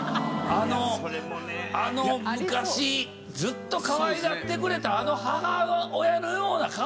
あの昔ずっとかわいがってくれたあの母親のような顔になりたい！